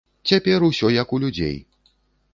Цяпер усё як у людзей!